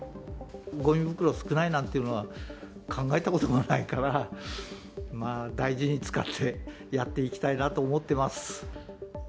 ごみ袋少ないなというのは、考えたこともないから、大事に使ってやっていきたいなと思ってます。